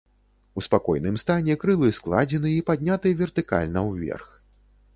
У спакойным стане крылы складзены і падняты вертыкальна ўверх.